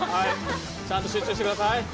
ちゃんと集中してください。